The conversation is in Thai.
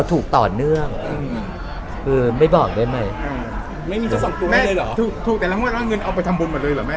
ถูกแต่ละห้วงเงินเอาไปทำบุญมาเลยหรอแม่